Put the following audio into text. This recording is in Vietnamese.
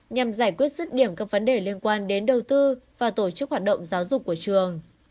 nhằm giải quyết rứt điểm các vấn đề liên quan đến đầu tư và tổ chức hoạt động giáo dục của trường